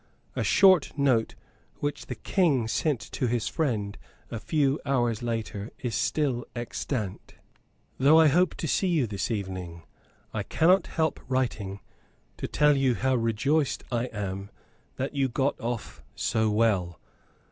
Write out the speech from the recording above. A short note which the King sent to his friend a few hours later is still extant. "Though I hope to see you this evening, I cannot help writing to tell you how rejoiced I am that you got off so well.